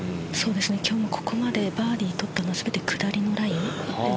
今日もここまでバーディー取ったのは全て下りのライン。